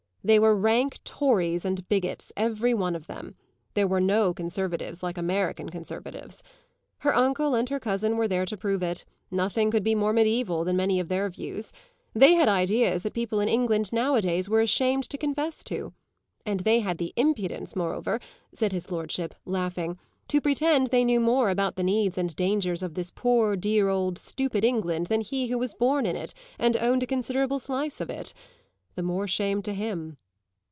They were rank Tories and bigots, every one of them; there were no conservatives like American conservatives. Her uncle and her cousin were there to prove it; nothing could be more medieval than many of their views; they had ideas that people in England nowadays were ashamed to confess to; and they had the impudence moreover, said his lordship, laughing, to pretend they knew more about the needs and dangers of this poor dear stupid old England than he who was born in it and owned a considerable slice of it the more shame to him!